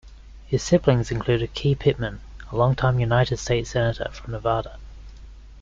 His siblings included Key Pittman, a longtime United States Senator from Nevada.